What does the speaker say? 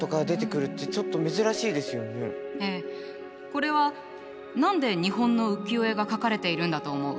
これは何で日本の浮世絵が描かれているんだと思う？